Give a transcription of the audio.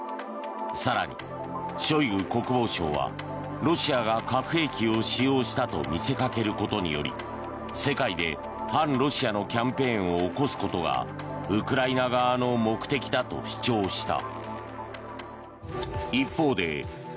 更にショイグ国防相はロシアが核兵器を使用したと見せかけることにより世界で反ロシアのキャンペーンを起こすことがウクライナ側の目的だと主張した。